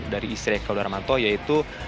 dari istri eko darmanto yaitu